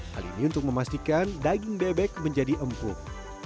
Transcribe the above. hal ini untuk memastikan daging bebek menjadi empuk